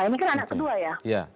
ini kan anak kedua ya